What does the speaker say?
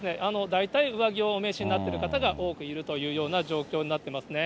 大体上着をお召しになってる方が多くいるというような状況になってますね。